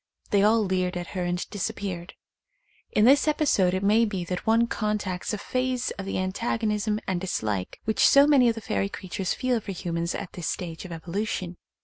They all leered at her and disappeared. In this epi sode it may be that one contacts a phase of the antagonism and dislike which so many of the fairy creatures feel for humans at this stage of evolution.